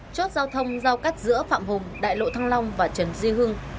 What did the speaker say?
chốt giao thông giao cắt giữa phạm hùng đại lộ thăng long và trần duy hưng